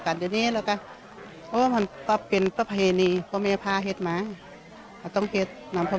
คุณผู้นายก็ต้องทานกันการทานวันเจ้าเจ้าสาร